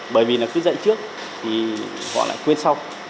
bởi vì là cứ dạy trước thì họ lại quên xong